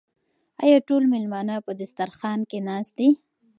آیا ټول مېلمانه په دسترخوان کې ناست دي؟